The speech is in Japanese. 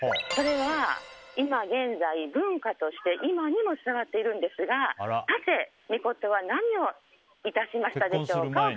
それは今現在、文化として今にも伝わっているんですがミコトは何を致しましたでしょうか。